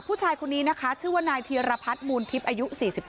ผู้ชายคนนี้นะคะชื่อว่านายธีรพัฒน์มูลทิพย์อายุ๔๗